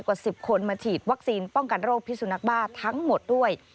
กว่า๑๐คนมาฉีดวัคซีนป้องกันโรคพิสุนักบ้าทั้งหมดด้วย